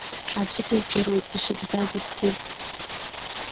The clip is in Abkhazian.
Аӡәы дыздыруеит ишыбзаз иԥсыз.